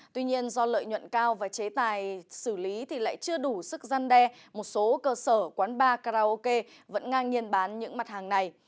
tuy nhiên do lợi nhuận cao và chế tài xử lý thì lại chưa đủ sức gian đe một số cơ sở quán bar karaoke vẫn ngang nhiên bán những mặt hàng này